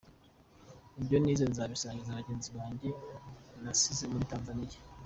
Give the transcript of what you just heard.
Ibyo nize nzabisangiza bagenzi banjye nasize muri Tanzania”.